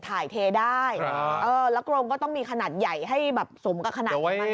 ใช่แล้วกรมก็ต้องมีขนาดใหญ่ให้สมกับขนาดนั้น